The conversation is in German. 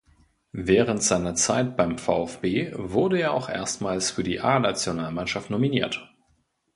Während seiner Zeit beim VfB wurde er auch erstmals für die A-Nationalmannschaft nominiert.